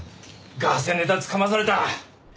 ガセネタつかまされた！